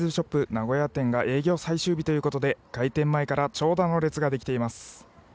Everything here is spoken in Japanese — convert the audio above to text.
名古屋店が営業最終日ということで開店前から長蛇の列ができています。